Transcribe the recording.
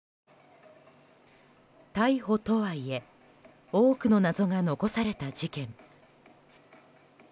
逮捕とはいえ多くの謎が残された事件。